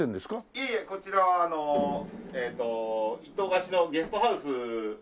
いえいえこちらは一棟貸しのゲストハウスなんです。